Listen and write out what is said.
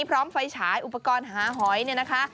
พร้อมไฟฉายอุปกรณ์หาหอยเนี่ยนะคะ